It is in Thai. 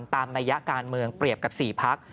นัยยะการเมืองเปรียบกับ๔พัก